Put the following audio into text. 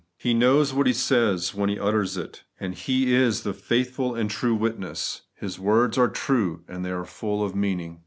He knows what He says when He utters it ; and He is * the faithful and true witness.' His words are true, and they are full of meaning.